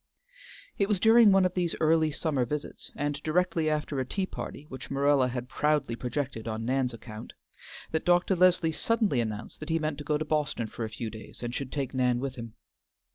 It was during one of these early summer visits, and directly after a tea party which Marilla had proudly projected on Nan's account, that Dr. Leslie suddenly announced that he meant to go to Boston for a few days and should take Nan with him.